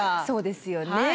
そうですよね。